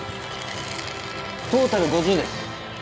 トータル５０です。